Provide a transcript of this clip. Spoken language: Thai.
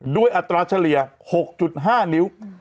อัตราเฉลี่ย๖๕นิ้ว